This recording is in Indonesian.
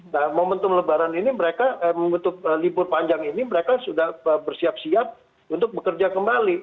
nah momentum lebaran ini mereka menutup libur panjang ini mereka sudah bersiap siap untuk bekerja kembali